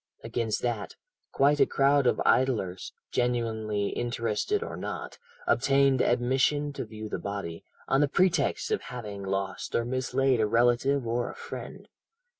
"Against that, quite a crowd of idlers genuinely interested or not obtained admission to view the body, on the pretext of having lost or mislaid a relative or a friend.